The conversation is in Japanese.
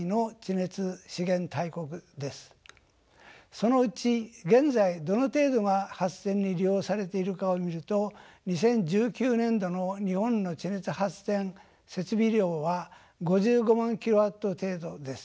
そのうち現在どの程度が発電に利用されているかを見ると２０１９年度の日本の地熱発電設備量は５５万キロワット程度です。